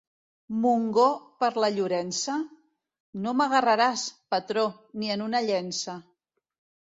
Montgó per la Llorença? No m'agarraràs, patró, ni en una llença.